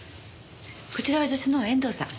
こちらは助手の遠藤さん。